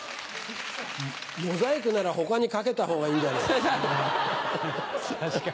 モザイクなら他にかけたほうがいいんじゃねえの。